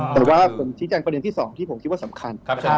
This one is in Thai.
แต่ว่าผมชี้แจงประเด็นที่๒ที่ผมคิดว่าสำคัญ